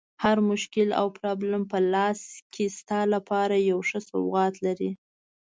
هر مشکل او پرابلم په لاس کې ستا لپاره یو ښه سوغات لري.